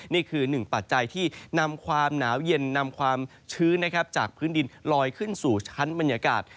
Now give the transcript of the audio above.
นี่คือหนึ่งปัจจัยที่นำความหนาวเย็นนำความชื้นจากพื้นดินลอยขึ้นสู่ชั้นบรรยากาศ